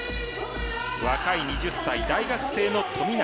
若い２０歳大学生の富永。